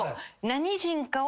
何人かを。